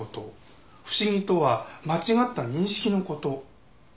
「不思議」とは間違った認識の事。